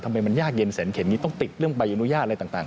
ทำไมมันยากเย็นแสนเข็นนี้ต้องติดเรื่องใบอนุญาตอะไรต่าง